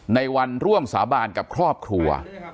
ในวันร่วมสาบานกับครอบครัว